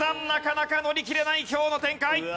なかなか乗り切れない今日の展開。